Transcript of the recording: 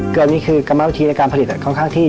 เกลือนี่คือกระเม้าทีในการผลิตค่อนข้างที่